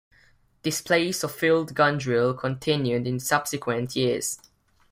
Displays of field gun drill continued in subsequent years.